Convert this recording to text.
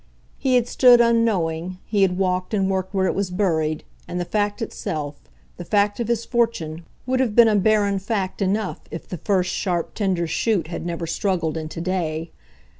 He had stood unknowing, he had walked and worked where it was buried, and the fact itself, the fact of his fortune, would have been a barren fact enough if the first sharp tender shoot had never struggled into day.